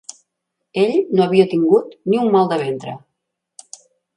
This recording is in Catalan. Ell no havia tingut ni un mal de ventre